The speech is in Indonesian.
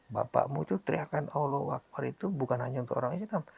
bapakmu itu teriakan allah wakwar itu bukan hanya untuk orang islam